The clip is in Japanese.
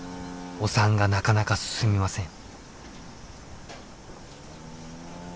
お産がなかなか進みません。